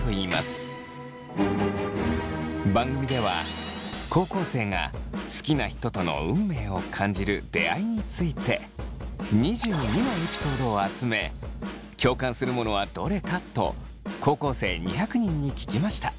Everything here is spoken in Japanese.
番組では高校生が好きな人との運命を感じる出会いについて２２のエピソードを集め共感するものはどれかと高校生２００人に聞きました。